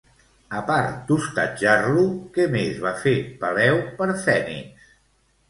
A part d'hostatjar-lo, què més va fer, Peleu, per Fènix?